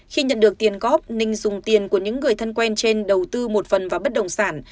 khi nhận được tiền góp ninh dùng tiền của những người thân quen trên đầu tư một phần vào bất đồng sản